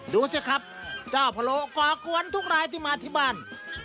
ดูสิครับเจ้าพะโลก่อกวนทุกรายที่มาที่บ้าน